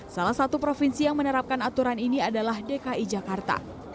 salah satu provinsi yang menerapkan aturan ini adalah dki jakarta